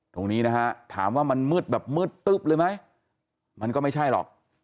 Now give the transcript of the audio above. ตรงนี้นะฮะถามว่ามันมืดแบบมืดตึ๊บเลยไหมมันก็ไม่ใช่หรอก